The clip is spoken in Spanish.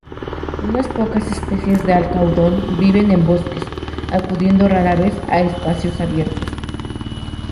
Unas pocas especies de alcaudón viven en bosques, acudiendo rara vez a espacios abiertos.